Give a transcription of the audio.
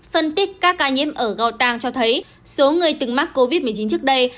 phân tích các ca nhiễm ở gautang cho thấy số người từng mắc covid một mươi chín trước đây